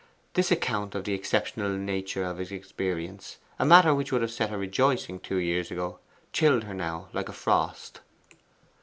This account of the exceptional nature of his experience, a matter which would have set her rejoicing two years ago, chilled her now like a frost.